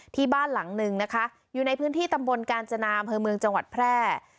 ที่บ้านหลังนึงนะคะอยู่ในพื้นที่ตำบลกาญจนาอำเภอเมืองจังหวัดแพร่